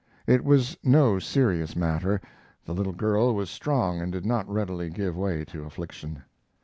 It was no serious matter. The little girl was strong and did not readily give way to affliction.